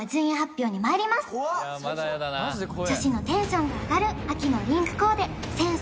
まだヤダな女子のテンションが上がる秋のリンクコーデセンス